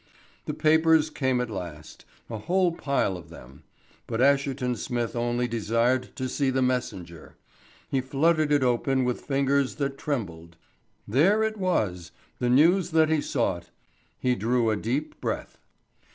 The papers came at last a whole pile of them: but Asherton Smith only desired to see The Messenger. He fluttered it open with fingers that trembled. There it was the news that he sought. He drew a deep breath.